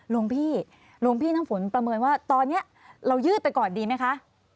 หลวงพี่หลวงพี่น้ำฝนประเมินว่าตอนนี้เรายืดไปก่อนดีไหมคะ